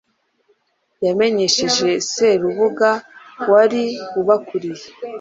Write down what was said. Yamenyesheje Serubuga wari ubakuriye